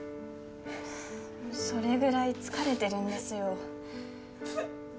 それぐらい疲れてるんですよ